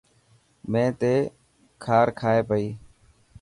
مين تي کار کائي پئي.